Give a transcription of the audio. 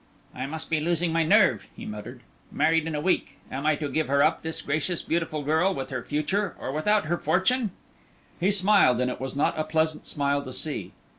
"I must be losing my nerve," he muttered. "Married in a week! Am I to give her up, this gracious, beautiful girl with her future, or without her fortune?" He smiled, and it was not a pleasant smile to see.